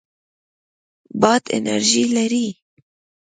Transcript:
باد انرژي لري.